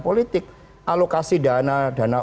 politik alokasi dana dana